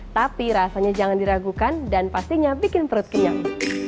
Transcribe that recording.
tapi rasanya jangan diragukan dan pastinya bikin perut kenyang